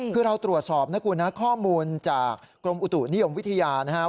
คือเราตรวจสอบนะคุณนะข้อมูลจากกรมอุตุนิยมวิทยานะครับ